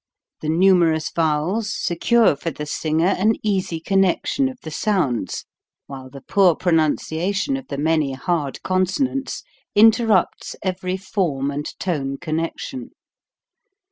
The numerous vowels secure for the singer an easy connection of the sounds, while the poor pronunciation of the many hard consonants interrupts every form and tone connection.